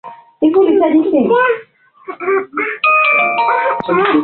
Ukristo ulienea hasa ndani ya mipaka ya